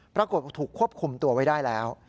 ปรากฏว่าถูกควบคุมตัวไว้ได้แล้ว